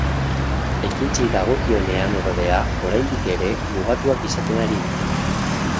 Ekintzei dagokionean ordea, oraindik ere, mugatuak izaten ari dira.